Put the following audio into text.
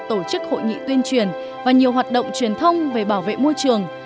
tổ chức hội nghị tuyên truyền và nhiều hoạt động truyền thông về bảo vệ môi trường